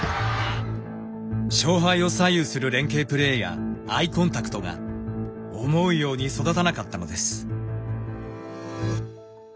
勝敗を左右する連係プレーやアイコンタクトが思うように育たなかったのです。